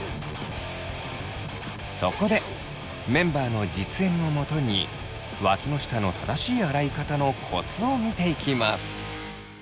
そこでメンバーの実演をもとにわきの下の正しい洗い方のコツを見ていきます。